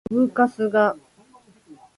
どぶカスが